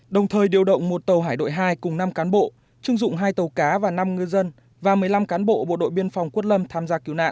đồng thời điều động một tàu hải đội hai cùng năm cán bộ chưng dụng hai tàu cá và năm ngư dân và một mươi năm cán bộ bộ đội biên phòng quất lâm tham gia cứu nạn